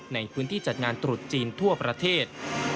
ในพื้นที่จัดงานตรุษจีนทั่วประเทศ